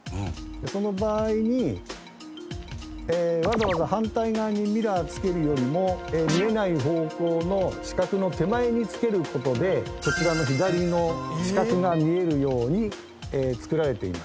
その場合にわざわざ反対側にミラーつけるよりも見えない方向の死角の手前につける事でこちらの左の死角が見えるように作られています。